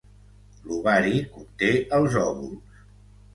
L'ovari conté els òvuls.